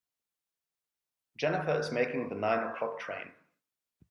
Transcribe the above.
Jennifer is making the nine o'clock train.